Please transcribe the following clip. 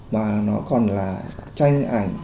mà nó còn là tranh ảnh